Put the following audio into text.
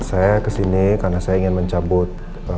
saya ke sini karena saya ingin mencabut